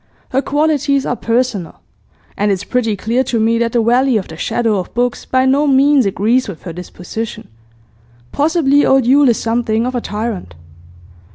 Her qualities are personal. And it's pretty clear to me that the valley of the shadow of books by no means agrees with her disposition. Possibly old Yule is something of a tyrant.